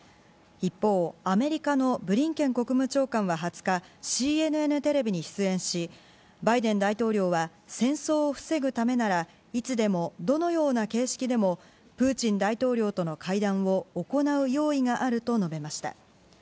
一方、アメリカのブリンケン国務長官は２０日ＣＮＮテレビに出演し、バイデン大統領は戦争を防ぐためならいつでも、どのような形式でもプーチン大統領との会談を行う用意があると述べました。